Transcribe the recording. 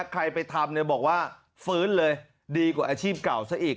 ใครไปทำบอกว่าฟื้นเลยดีกว่าอาชีพเก่าซะอีก